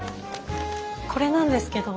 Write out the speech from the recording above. これなんですけど。